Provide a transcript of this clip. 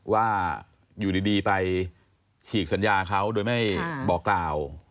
ว่าอยู่ดีไปฉีกสัญญาเขาโดยไม่บอกกล่าว